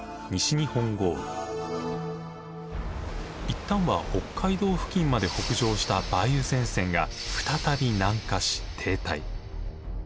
一旦は北海道付近まで北上した梅雨前線が再び南下し停滞。